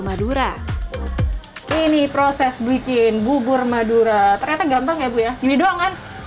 madura ini proses bikin bubur madura kayaknya gampang ya bu yah jadi dong learning fungsi panjang